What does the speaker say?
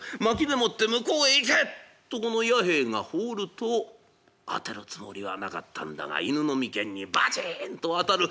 薪でもって「向こうへ行けっ！」とこの弥兵衛が放ると当てるつもりはなかったんだが犬の眉間にバチンと当たる。